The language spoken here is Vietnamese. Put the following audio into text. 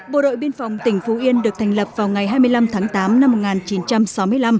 bộ đội biên phòng tỉnh phú yên được thành lập vào ngày hai mươi năm tháng tám năm một nghìn chín trăm sáu mươi năm